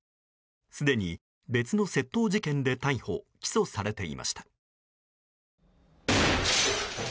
既に別の窃盗事件で逮捕・起訴されていました。